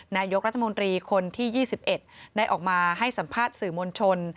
นายกรัฐมนตรีคนที่๒๑ได้ออกมาให้สัมภาษณ์สื่อมวลชน